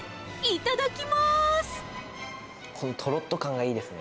いただきます。